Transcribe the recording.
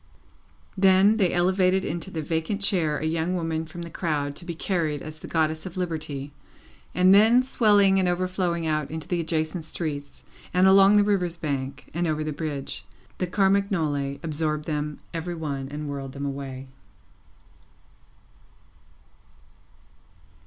Then, they elevated into the vacant chair a young woman from the crowd to be carried as the Goddess of Liberty, and then swelling and overflowing out into the adjacent streets, and along the river's bank, and over the bridge, the Carmagnole absorbed them every one and whirled them away.